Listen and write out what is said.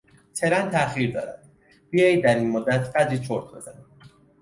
ترن تاخیر دارد، بیایید در این مدت قدری چرت بزنیم.